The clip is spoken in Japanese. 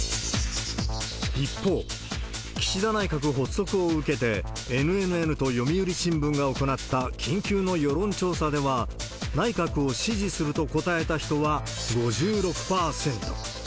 一方、岸田内閣発足を受けて、ＮＮＮと読売新聞が行った緊急の世論調査では、内閣を支持すると答えた人は５６％。